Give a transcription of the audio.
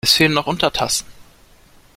Es fehlen noch Untertassen.